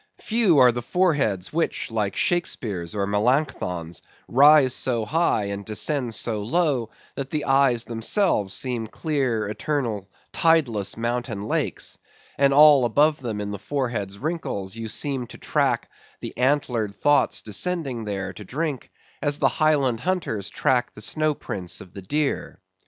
Few are the foreheads which like Shakespeare's or Melancthon's rise so high, and descend so low, that the eyes themselves seem clear, eternal, tideless mountain lakes; and all above them in the forehead's wrinkles, you seem to track the antlered thoughts descending there to drink, as the Highland hunters track the snow prints of the deer.